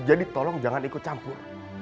jadi tolong jangan ikut campur